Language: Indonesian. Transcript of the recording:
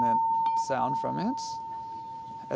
dan kemudian ke cerah